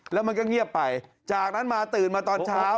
แล้วมันก็เงียบไปจากนั้นมาตื่นมาตอนเช้า